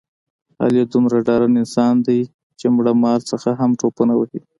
علي دومره ډارن انسان دی، چې مړه مار نه هم ټوپونه وهي.